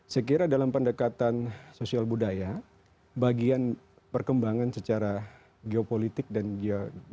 sekiranya dalam pendekatan sosial budaya bagian perkembangan secara geopolitik dan geologi